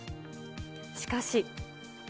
しかし。